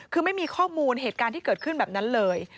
คือไม่มีข้อมูลเหตุการณ์ที่เกิดขึ้นแบบนั้นเลย